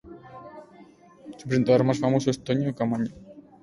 Su presentador más famoso es Toño Camaño.